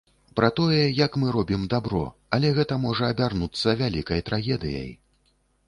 Пра тое, як мы робім дабро, але гэта можа абярнуцца вялікай трагедыяй.